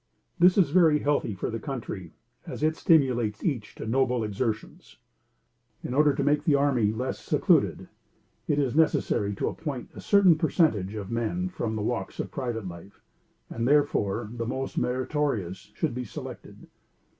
This is very healthy for the country, as it stimulates each to noble exertions. In order to make the army less secluded, it is necessary to appoint a certain per centage of men from the walks of private life, and therefore the most meritorious should be selected.